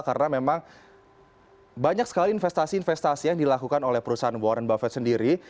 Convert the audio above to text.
karena memang banyak sekali investasi investasi yang dilakukan oleh perusahaan warren buffett sendiri